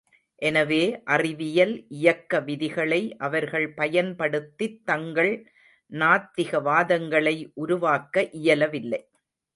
எனவே அறிவியல் இயக்க விதிகளை அவர்கள் பயன்படுத்தித் தங்கள் நாத்திக வாதங்களை உருவாக்க இயலவில்லை.